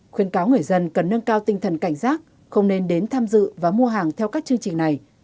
khuyên cáo người dân cần nâng cao tinh thần cảnh giác không nên đến tham dự và mua hàng theo các chương trình này